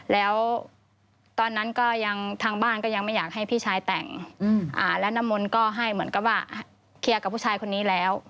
แล้วตอนนั้นก็ยังทางบ้านก็ยังไม่อยากให้พี่ชายแต่งและน้ำมนต์ก็ให้เหมือนกับว่าเคลียร์กับผู้ชายคนนี้แล้ว